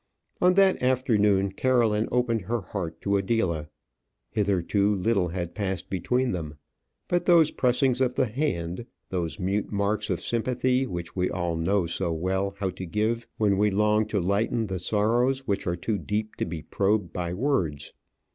On that afternoon, Caroline opened her heart to Adela. Hitherto little had passed between them, but those pressings of the hand, those mute marks of sympathy which we all know so well how to give when we long to lighten the sorrows which are too deep to be probed by words.